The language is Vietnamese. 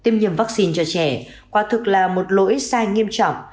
tiêm nhầm vaccine cho trẻ qua thực là một lỗi sai nghiêm trọng